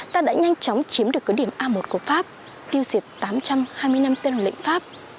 ta đã nhanh chóng chiếm được cứ điểm a một của pháp tiêu diệt tám trăm hai mươi năm tên lệnh pháp